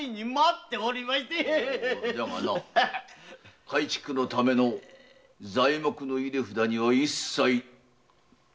だがな改築のための材木の入れ札には一切応じるな。